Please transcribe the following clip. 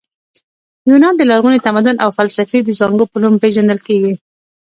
یونان د لرغوني تمدن او فلسفې د زانګو په نوم پېژندل کیږي.